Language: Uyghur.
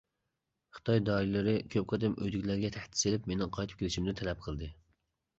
خىتاي دائىرىلىرى كۆپ قېتىم ئۆيدىكىلەرگە تەھدىت سېلىپ، مېنىڭ قايتىپ كېلىشىمنى تەلەپ قىلدى.